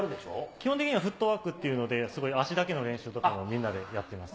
基本的にはフットワークっていうので、足だけの練習とかも皆でやっています。